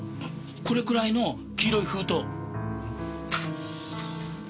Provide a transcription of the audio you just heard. これくらいの黄色い封筒。